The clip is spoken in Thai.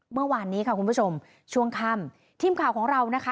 เมื่อวานนี้ค่ะคุณผู้ชมช่วงค่ำทีมข่าวของเรานะคะ